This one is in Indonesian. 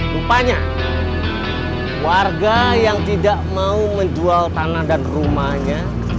rupanya warga yang tidak mau menjual tanah dan rumahnya